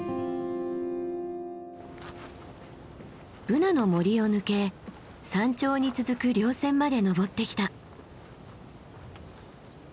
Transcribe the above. ブナの森を抜け山頂に続く稜線まで登ってきた。